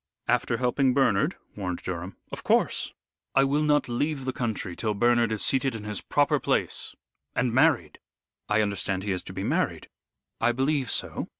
"After helping Bernard?" warned Durham. "Of course. I will not leave the country till Bernard is seated in his proper place, and married I understand he is to be married." "I believe so.